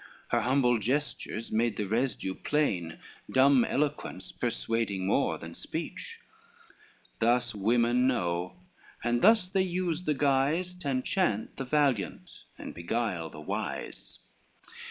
Her humble gestures made the residue plain, Dumb eloquence, persuading more than speech: Thus women know, and thus they use the guise, To enchant the valiant, and beguile the wise.